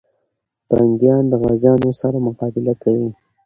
پرنګیان د غازيانو سره مقابله کوي.